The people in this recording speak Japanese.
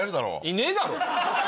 いねえだろ！